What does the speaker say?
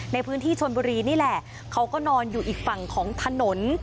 ในพื้นที่ชนบุรีนี่แหละเขาก็นอนอยู่อีกฝั่งของถนน